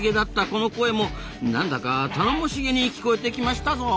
この声もなんだか頼もしげに聞こえてきましたぞ。